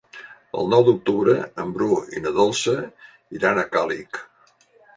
El nou d'octubre en Bru i na Dolça iran a Càlig.